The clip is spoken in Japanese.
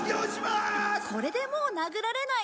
これでもう殴られない。